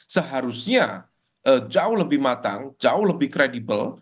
seharusnya jauh lebih matang jauh lebih kredibel